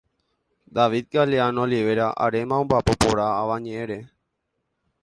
David Galeano Olivera aréma ombaʼapo porã avañeʼẽre.